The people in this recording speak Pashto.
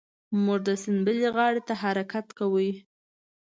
موږ د سیند بلې غاړې ته حرکت کاوه.